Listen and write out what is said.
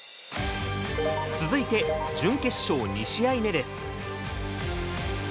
続いて準決勝２試合目です。